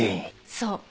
そう。